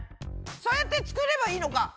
そうやって作ればいいのか。